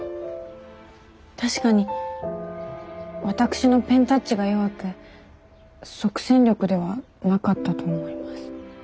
確かに私のペンタッチが弱く即戦力ではなかったと思います。